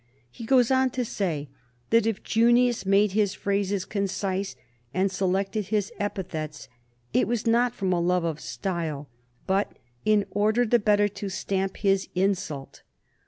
He goes on to say that if Junius made his phrases concise, and selected his epithets, it was not from a love of style, but in order the better to stamp his insult.